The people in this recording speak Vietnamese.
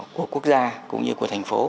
của quốc gia cũng như của thành phố